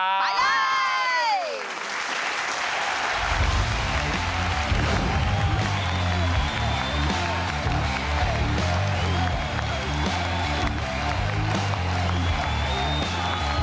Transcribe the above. ไปเลย